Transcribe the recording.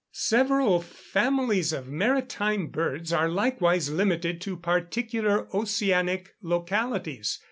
Several families of maritime birds are likewise limited to particular oceanic localities.